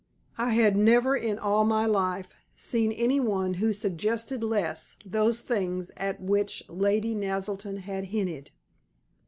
I had never in all my life seen any one who suggested less those things at which Lady Naselton had hinted.